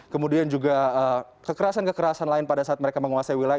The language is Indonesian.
kemudian juga kekerasan kekerasan lain pada saat mereka menguasai wilayah